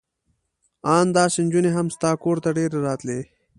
ان داسې نجونې هم ستا کور ته ډېرې راتلې.